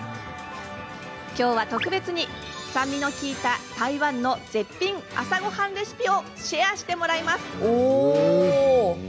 きょうは特別に酸味の利いた台湾の絶品朝ごはんレシピをシェアしてもらいます。